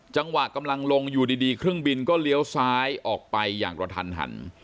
กำลังลงอยู่ดีเครื่องบินก็เลี้ยวซ้ายออกไปอย่างกระทันหัน